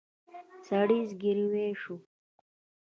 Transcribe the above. سړي زګېروی شو.